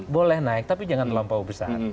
boleh naik tapi jangan terlampau besar